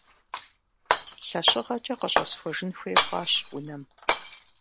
Лъэщыгъэкэ къыщӀэсхуэжын хуей хъуащ унэм.